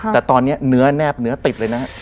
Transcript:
แต่ตอนนี้เนื้อแนบเนื้อติดเลยนะฮะ